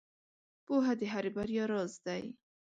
• پوهه د هرې بریا راز دی.